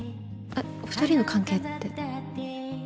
えっ２人の関係って。